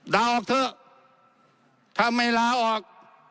ลาออกเถอะถ้าไม่ลาออก